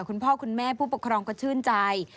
คุณพ่อคุณแม่ผู้ปกครองก็ชื่นใจ